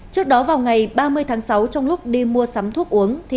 trước đó vào ngày ba mươi tháng sáu trong lúc đi mua sắm thuốc uống